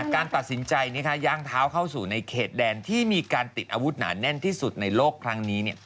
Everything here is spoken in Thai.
การตัดสินใจย่างเท้าเข้าสู่ในเขตแดนที่มีการติดอาวุธหนาแน่นที่สุดในโลกครั้งนี้